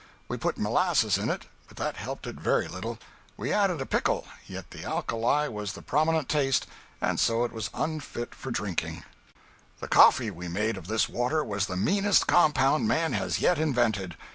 We put molasses in it, but that helped it very little; we added a pickle, yet the alkali was the prominent taste and so it was unfit for drinking. 202.jpg (58K) The coffee we made of this water was the meanest compound man has yet invented.